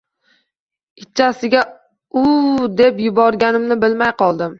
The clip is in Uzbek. Itchasiga “Uvvv!” deb yuborganimni bilmay qoldim